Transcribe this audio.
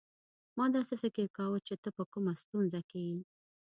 ما داسي فکر کاوه چي ته په کومه ستونزه کې يې.